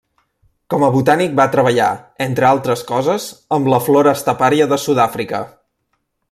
Com a botànic va treballar entre altres coses, amb la flora estepària de Sud-àfrica.